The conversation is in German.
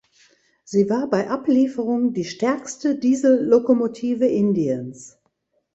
Sie war bei Ablieferung die stärkste Diesellokomotive Indiens.